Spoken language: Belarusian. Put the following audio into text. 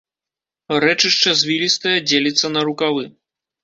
Рэчышча звілістае, дзеліцца на рукавы.